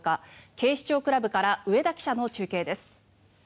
警視庁クラブから上田記者の中継です。